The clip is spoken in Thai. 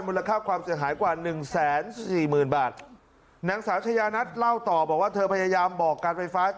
มูลค่าความเสี่ยงหายกว่า๑๔๐๐๐๐บาท